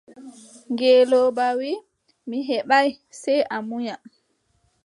Ngelooba wii: mi heɓaay, sey a munya.